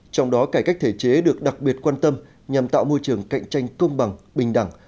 trong đó cải cách thể chế được đặc biệt quan tâm nhằm tạo môi trường cạnh tranh công bằng bình đẳng